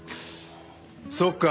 そっか。